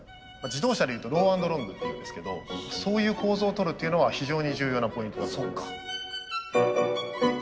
自動車でいうとロー＆ロングっていうんですけどそういう構造をとるっていうのは非常に重要なポイントだと思います。